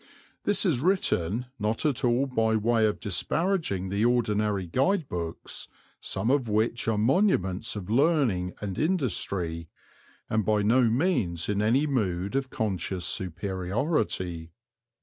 This is written not at all by way of disparaging the ordinary guide books, some of which are monuments of learning and industry, and by no means in any mood of conscious superiority.